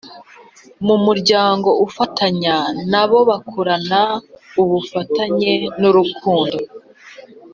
mu muryango ufatanya na bo bakurana ubufatanye n’urukundo